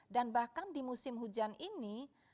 dan bahkan di musim hujan ini